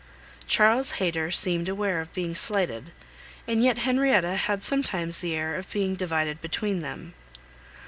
Charles Hayter seemed aware of being slighted, and yet Henrietta had sometimes the air of being divided between them.